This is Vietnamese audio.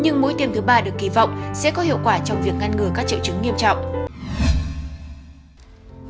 nhưng mũi tiêm thứ ba được kỳ vọng sẽ có hiệu quả trong việc ngăn ngừa các triệu chứng nghiêm trọng